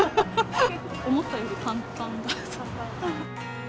思ったより簡単だった。